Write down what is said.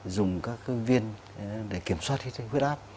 dùng các viên để kiểm soát huyết áp